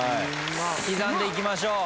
刻んでいきましょう。